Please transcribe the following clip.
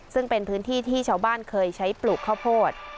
ซึ่งเป็นพื้นที่ที่ชาวบ้านเคยใช้ปลูกข้าวโพด